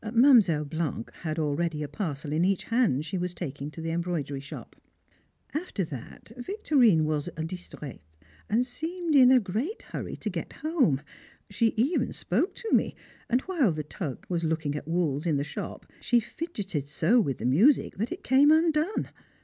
Mademoiselle Blanc had already a parcel in each hand she was taking to the embroidery shop. After that Victorine was distraite, and seemed in a great hurry to get home; she even spoke to me, and while "the Tug" was looking at wools in the shop she fidgeted so with the music that it came undone.